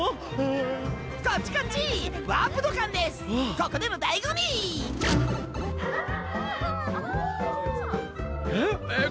ここでの醍醐味えっえっ